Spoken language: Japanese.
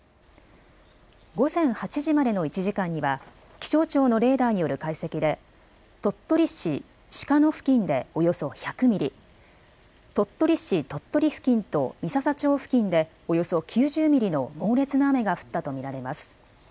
午前８時までの１時間には気象庁のレーダーによる解析で鳥取市鹿野付近でおよそ１００ミリ、鳥取市鳥取付近と三朝町付近でおよそ９０ミリの猛烈な雨が降ったと見られます。